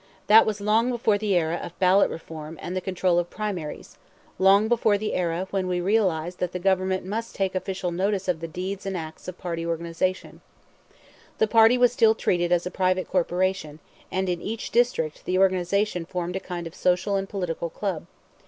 That was long before the era of ballot reform and the control of primaries; long before the era when we realized that the Government must take official notice of the deeds and acts of party organizations. The party was still treated as a private corporation, and in each district the organization formed a kind of social and political club.